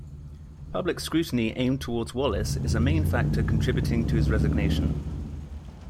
Public scrutiny aimed towards Wallace is a main factor contributing to his resignation.